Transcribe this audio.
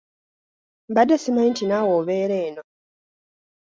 Mbadde simanyi nti naawe obeera eno.